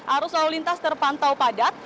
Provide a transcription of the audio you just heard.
arus lalu lintas terpantau padat